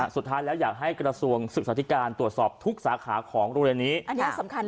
สุดท้ายแล้วอยากให้กระทรวงศึกษาธิการตรวจสอบทุกสาขาของโรงเรียนนี้อันนี้สำคัญ